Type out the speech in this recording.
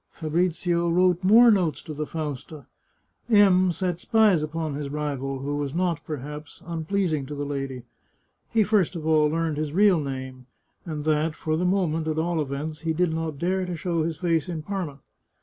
Fabrizio wrote more notes to the Fausta. M set 232 The Chartreuse of Parma spies upon his rival, who was not, perhaps, unpleasing to the lady. He first of all learned his real name, and that, for the moment, at all events, he did not dare to show his face in Parma.